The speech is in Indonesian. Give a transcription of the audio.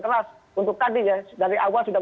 keras untuk tadi ya dari awal sudah